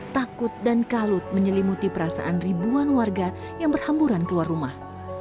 takut dan kalut menyelimuti perasaan ribuan warga yang berhamburan keluar rumah